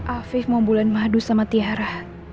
afih mau bulan madu sama tiara